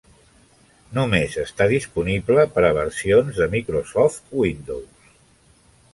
Només està disponible per a versions de Microsoft Windows.